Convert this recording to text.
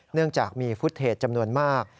เนื่องจากมีฟุตเทจจำนวนมาก